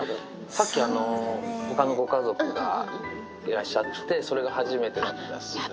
さっき、ほかのご家族がいらっしゃって、それが初めてだったですね。